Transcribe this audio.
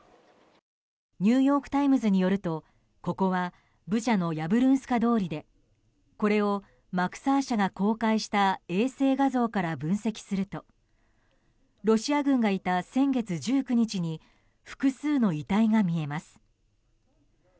ニューヨーク・タイムズによるとここはブチャのヤブルンスカ通りでこれをマクサー社が公開した衛星画像から分析するとロシア軍がいた先月１９日に複数の遺体が見えます。